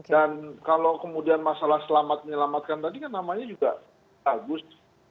dan kalau kemudian masalah selamat menyelamatkan tadi kan namanya juga bagus